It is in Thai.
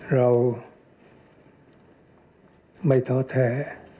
เราไม่ท้อแท้